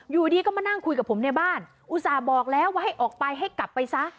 อยู่ดีก็มานั่งคุยกับผมในบ้านอุตส่าห์บอกแล้วว่าให้ออกไปให้กลับไปซะ